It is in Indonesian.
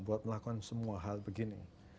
buat melakukan semua hal begini